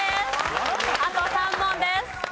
あと３問です。